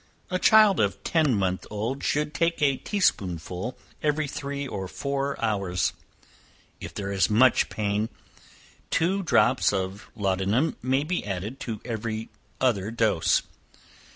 A child of ten months old should take a tea spoonful every three or four hours. If there is much pain, two drops of laudanum may be added to every other dose.